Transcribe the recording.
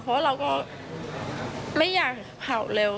เพราะเราก็ไม่อยากเห่าเร็ว